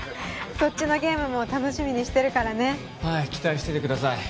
そっちのゲームも楽しみにしてるからねはい期待しててください